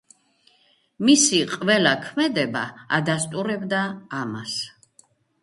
მისი ყველა ქმედება ადასტურებდა ამას.